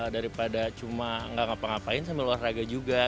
daripada cuma nggak ngapa ngapain sambil olahraga juga